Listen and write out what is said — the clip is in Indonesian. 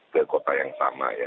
ke kota yang sama ya